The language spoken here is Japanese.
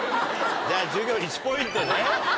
じゃあ『授業』１ポイントね。